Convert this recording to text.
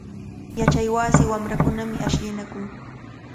Yachaywasi wamrakunami ashllinakun.